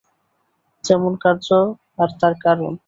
যেমন কার্য আর তার কারণ।